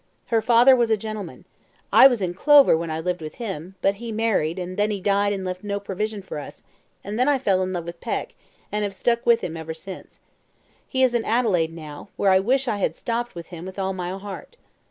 Her father was a gentleman. I was in clover when I lived with him; but he married, and then he died and left no provision for us; and then I fell in with Peck, and have stuck by him ever since. He is in Adelaide now, where I wish I had stopped with him with all my heart.